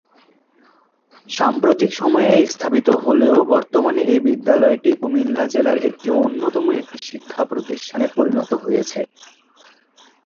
সাম্প্রতিক সময়ে স্থাপিত হলেও বর্তমানে এই বিদ্যালয়টি কুমিল্লা জেলার একটি অন্যতম একটি শিক্ষা প্রতিষ্ঠানে পরিণত হয়েছে।